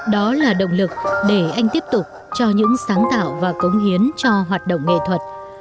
đó là động lực để anh tiếp tục cho những sáng tạo và cống hiến cho hoạt động nghệ thuật